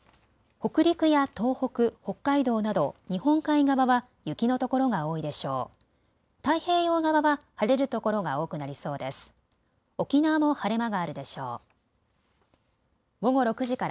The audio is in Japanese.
北陸や東北、北海道など日本海側は雪の所が多いでしょう。